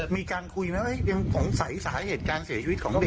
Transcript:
มีการคุยไหมยังสงสัยสาเหตุการเสียชีวิตของระเบีย